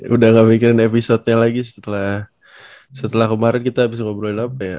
udah gak mikirin episode nya lagi setelah kemarin kita habis ngobrolin apa ya